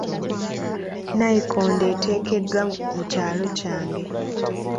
Nnayikondo eteekeddwa mu kyalo kyange.